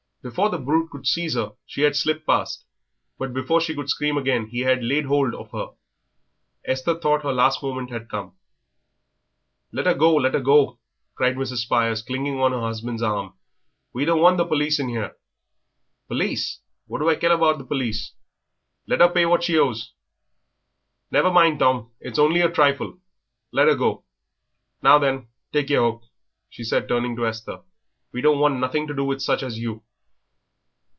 Before the brute could seize her she had slipped past, but before she could scream again he had laid hold of her. Esther thought her last moment had come. "Let 'er go, let 'er go," cried Mrs. Spires, clinging on her husband's arm. "We don't want the perlice in 'ere." "Perlice! What do I care about the perlice? Let 'er pay what she owes." "Never mind, Tom; it is only a trifle. Let her go. Now then, take yer hook," she said, turning to Esther; "we don't want nothing to do with such as you."